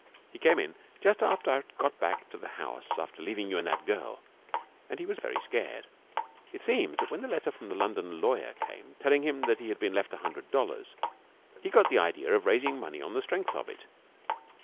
He came in just after I had got back to the house after leaving you and that girl, and he was very scared. It seems that when the letter from the London lawyer came telling him that he had been left a hundred dollars, he got the idea of raising money on the strength of it.